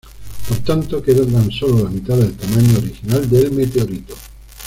Por tanto queda tan sólo la mitad del tamaño original del meteorito.